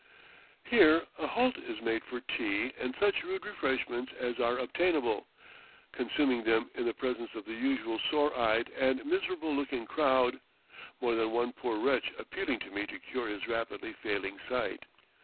Here a halt is made for tea and such rude refreshments as are obtainable, consuming them in the presence of the usual sore eyed and miserable looking crowd; more than one poor wretch appealing to me to cure his rapidly failing sight.